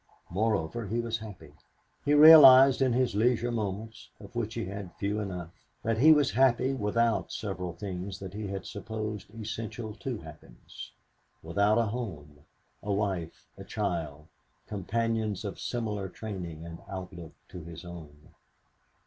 Moreover, he was happy. He realized in his leisure moments, of which he had few enough, that he was happy without several things that he had supposed essential to happiness without a home, a wife, a child, companions of similar training and outlook to his own.